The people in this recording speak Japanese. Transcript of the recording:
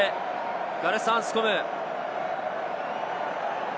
ガレス・アンスコム。